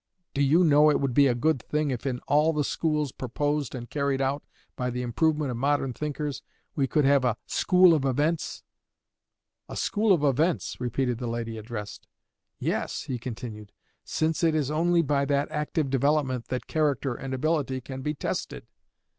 Do you know it would be a good thing if in all the schools proposed and carried out by the improvement of modern thinkers, we could have a school of events?' 'A school of events?' repeated the lady addressed. 'Yes,' he continued, 'since it is only by that active development that character and ability can be tested.